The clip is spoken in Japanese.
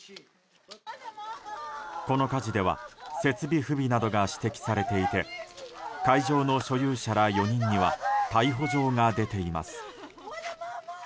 この火事では設備不備などが指摘されていて会場の所有者ら４人には逮捕状が出ています。